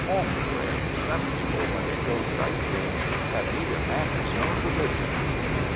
Homhre! Some people when they go sightseeing, have neither manners nor religion."